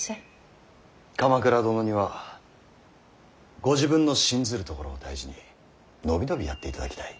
鎌倉殿にはご自分の信ずるところを大事に伸び伸びやっていただきたい。